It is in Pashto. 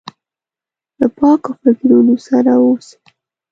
له پاکو فکرونو سره واوسي.